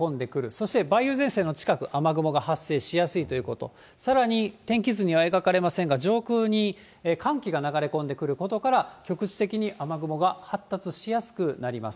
そして梅雨前線の近く、雨雲が発生しやすいということ、さらに天気図には描かれませんが、上空に寒気が流れ込んでくることから、局地的に雨雲が発達しやすくなります。